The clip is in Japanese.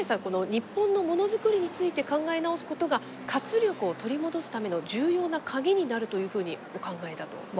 この日本のものづくりについて考え直すことが活力を取り戻すための重要なカギになるというふうにお考えだと。